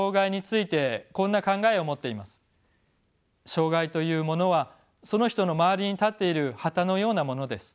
障がいというものはその人の周りに立っている旗のようなものです。